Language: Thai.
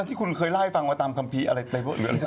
ที่คุณเคยไล่ฟังมาตามคำพีอะไรบ้างที่บอก